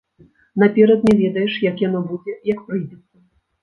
Наперад не ведаеш, як яно будзе, як прыйдзецца.